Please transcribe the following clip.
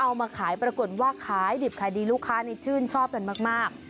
เอามาขายปรากฏว่าขายดิบขายดีลูกค้านี่ชื่นชอบกันมาก